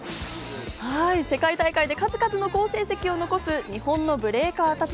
世界大会で数々の好成績を残す日本のブレイカーたち。